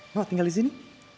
mau tinggal di sini